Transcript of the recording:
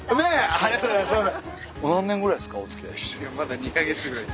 ありがとうございます。